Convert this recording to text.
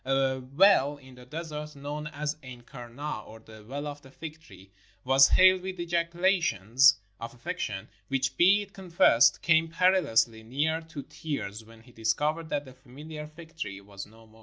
A well in the desert, known as ''Ain Kerna," or "The Well of the Fig Tree," was hailed with ejaculations of affection, which, be it confessed, came perilously near to tears when he discovered that the familiar fig tree was no more.